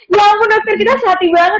ya ampun dokter kita sehati banget